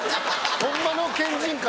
ホンマの県人会。